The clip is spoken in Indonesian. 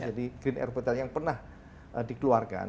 jadi green ruiptl yang pernah dikeluarkan